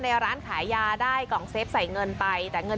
ในร้านขายยาได้กล่องเซฟใส่เงินไปแต่เงิน